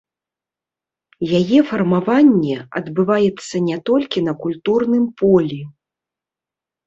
Яе фармаванне адбываецца не толькі на культурным полі.